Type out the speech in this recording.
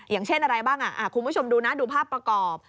อย่างเช่นอะไรบ้างคุณผู้ชมดูนะดูภาพประกอบ